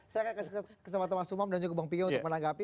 saya akan kasih kesempatan mas umam dan juga bang piga untuk menanggapi